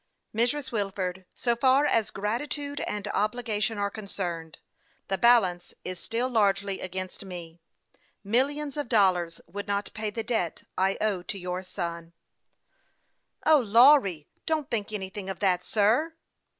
" Mrs. Wilford, so far as gratitude and obligation are concerned, the balance is still largely against me. Millions of dollars would not pay the debt I owe to your son." " O, Lawry don't think anything of that, sir !